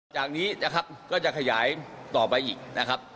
จากนี้นะครับก็จะขยายต่อไปอีกนะครับ